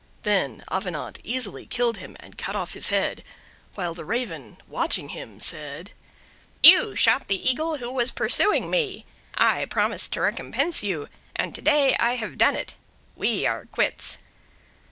Then Avenant easily killed him and cut off his head, while the Raven, watching him, said: "You shot the Eagle who was pursuing me: I promised to recompense you, and to day I have done it. We are quits."